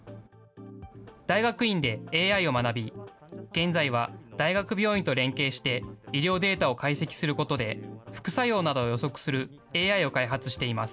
大学院でＡＩを学び、現在は大学病院と連携して、医療データを解析することで、副作用などを予測するＡＩを開発しています。